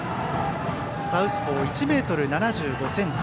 サウスポー、１ｍ７５ｃｍ。